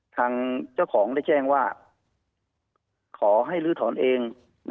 ทางเจ้าของได้แจ้งว่าขอให้ลื้อถอนเอง